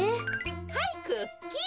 はいクッキー。